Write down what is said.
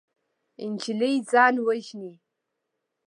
نجلۍ ځان وژني.